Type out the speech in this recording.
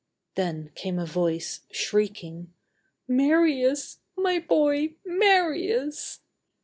Then came a voice, shrieking: "Marius! my boy, Marius!"